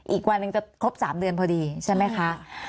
อีกวันหนึ่งจะครบ๓เดือนพอดีใช่ไหมคะ